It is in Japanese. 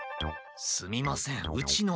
すみませんうちの。